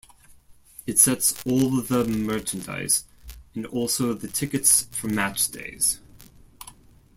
It sells all the merchandise, and also the tickets for matchdays.